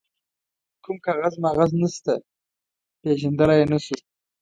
کوم کاغذ ماغذ نشته، پيژندلای يې نه شو.